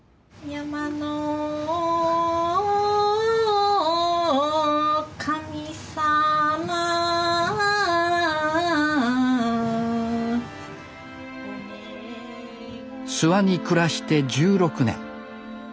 諏訪に暮らして１６年。